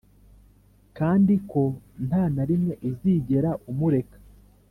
kandi ko nta na rimwe uzigera umureka